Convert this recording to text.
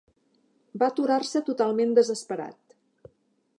Va aturar-se totalment desesperat.